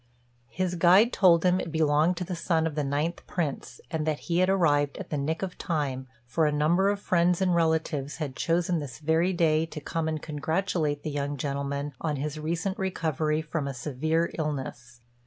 His guide told him it belonged to the son of the Ninth Prince, and that he had arrived at the nick of time, for a number of friends and relatives had chosen this very day to come and congratulate the young gentleman on his recent recovery from a severe illness.